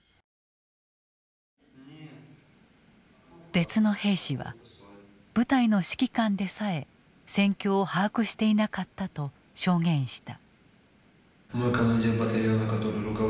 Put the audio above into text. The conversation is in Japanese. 別の兵士は部隊の指揮官でさえ戦況を把握していなかったと証言した。